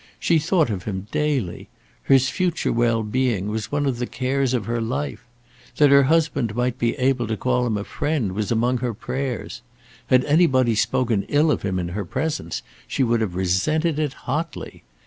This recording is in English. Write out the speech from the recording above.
She thought of him daily. His future well being was one of the cares of her life. That her husband might be able to call him a friend was among her prayers. Had anybody spoken ill of him in her presence she would have resented it hotly.